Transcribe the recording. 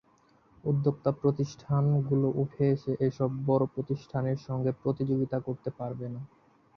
উদ্যোক্তা প্রতিষ্ঠানগুলো উঠে এসে এসব বড় প্রতিষ্ঠানের সঙ্গে প্রতিযোগিতা করতে পারবে না।